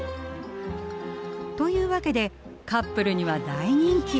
というわけでカップルには大人気。